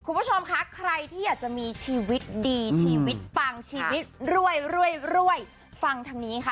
คุณผู้ชมคะใครที่อยากจะมีชีวิตดีชีวิตปังชีวิตรวยรวยฟังทางนี้ค่ะ